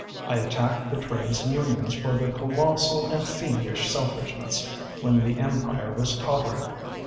I attacked the trades unions for their colossal and fiendish selfishness when the Empire was tottering.